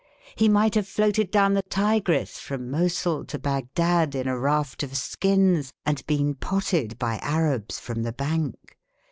He might have floated down the Tigris from Mosul to Bagdad in a raft of skins and been potted by Arabs from the bank.